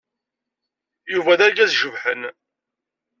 Yuba d argaz icebḥen.